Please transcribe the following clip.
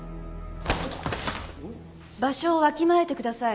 場所をわきまえてください。